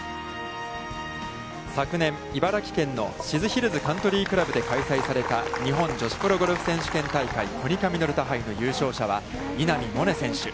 昨年、茨城県の静ヒルズカントリークラブで開催された日本女子プロゴルフ選手権大会コニカミノルタ杯の優勝者は稲見萌寧選手。